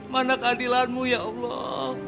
mana keadilan mu ya allah